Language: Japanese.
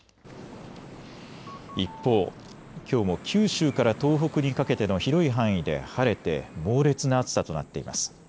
一方、きょうも九州から東北にかけての広い範囲で晴れて猛烈な暑さとなっています。